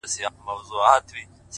o اوس هغه بل كور كي اوسيږي كنه؛